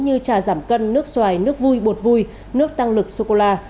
như trà giảm cân nước xoài nước vui bột vui nước tăng lực sô cô la